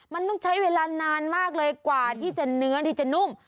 มันต้องใช้เวลานานมากเลยกว่าที่จะเนื้อที่จะนุ่ม